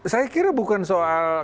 saya kira bukan soal